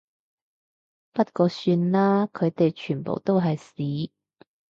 不過算啦，佢哋全部都係屎